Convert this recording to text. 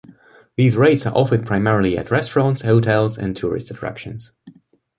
These rates are offered primarily at restaurants, hotels, and tourist attractions.